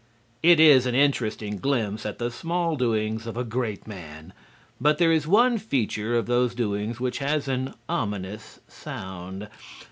It is an interesting glimpse at the small doings of a great man, but there is one feature of those doings which has an ominous sound.